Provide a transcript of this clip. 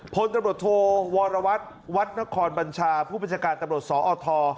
พลตำรวจโทวรวัตรวัดนครบัญชาผู้บัญชาการตำรวจสอท